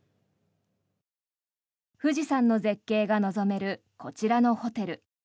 富士山の絶景が望めるこちらのホテル。